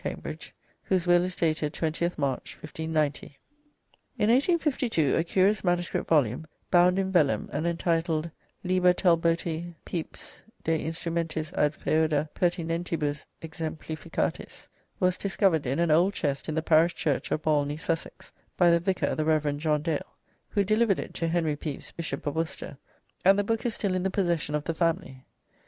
Cambridge," whose will is dated 20th March, 1519. In 1852 a curious manuscript volume, bound in vellum, and entitled "Liber Talboti Pepys de instrumentis ad Feoda pertinentibus exemplificatis," was discovered in an old chest in the parish church of Bolney, Sussex, by the vicar, the Rev. John Dale, who delivered it to Henry Pepys, Bishop of Worcester, and the book is still in the possession of the family.